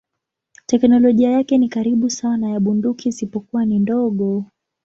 Teknolojia yake ni karibu sawa na ya bunduki isipokuwa ni ndogo.